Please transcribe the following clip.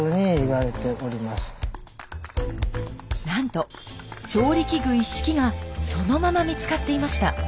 なんと調理器具一式がそのまま見つかっていました。